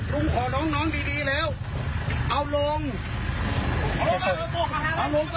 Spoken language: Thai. ลุงขอร้องน้องดีดีแล้วเอาลงเอาลง